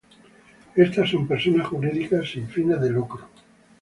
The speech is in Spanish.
Estas son personas jurídicas sin fines de lucro.